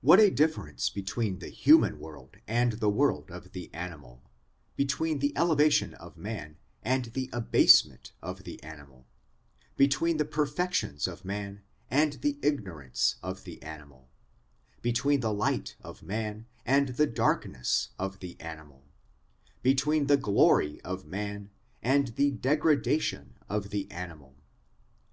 What a difference between the human world and the world of the animal ; between the elevation of man and the abasement of the animal; between the per fections of man and the ignorance of the animal; between the light of man and the darkness of the animal ; between the glory of man and the degradation of the animal